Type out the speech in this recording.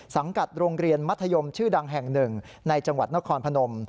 สังกัดโรงเรียนมัธยมชื่อดังแห่งหนึ่งในจังหวัดนครพนม